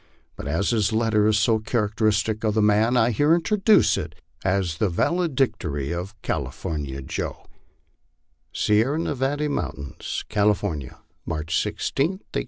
But as his letter is so characteristic of the man, I here introduce it as the valedictory of California Joe : SIERRE NEVADE MOUNTAINS, CALIFORNIA, March 16, 1874.